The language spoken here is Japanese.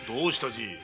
じい。